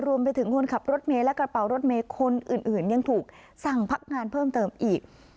รวมไปถึงคนขับรถเมย์และกระเป๋ารถเมย์คนอื่นยังถูกสั่งพักงานเพิ่มเติมอีก